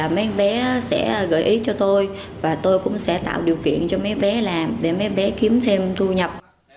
mấy bé sẽ gợi ý cho tôi và tôi cũng sẽ tạo điều kiện cho mấy bé làm để mấy bé kiếm thêm thu nhập